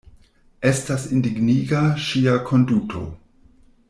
Estas indigniga ŝia konduto.